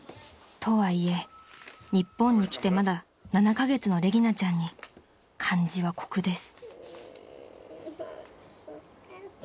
［とはいえ日本に来てまだ７カ月のレギナちゃんに漢字は酷です］